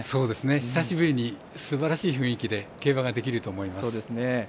久しぶりにすばらしい雰囲気で競馬ができると思います。